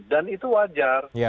dan itu wajar